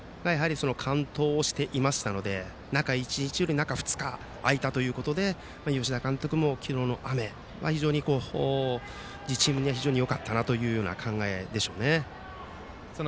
完投をしていましたので中１日より中２日空いたということで吉田監督も昨日の雨は非常に２チームには非常によかったなという考えでしょうね。